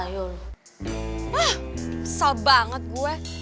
wah pesel banget gue